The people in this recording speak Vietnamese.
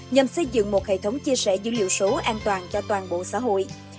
nhằm xây dựng một hệ thống chia sẻ dữ liệu số an toàn cho toàn bộ xã hội